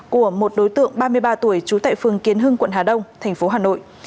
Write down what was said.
của một đối tượng ba mươi ba tuổi trú tại phường kiến hưng quận hà đông thành phố hà nội